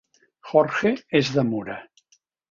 Jorge és de Mura